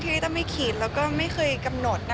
ที่ริต้าไม่ขีดและไม่เคยกำหนดนะฮะ